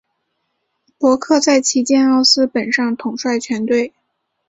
伯克在旗舰奥斯本上统帅全队。